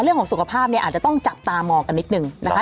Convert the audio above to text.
เรื่องของสุขภาพเนี่ยอาจจะต้องจับตามองกันนิดนึงนะคะ